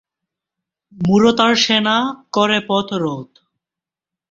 মূঢ়তার সেনা করে পথরোধ।